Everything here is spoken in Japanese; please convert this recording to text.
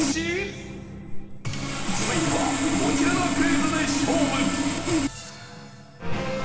続いてはこちらのクイズで勝負。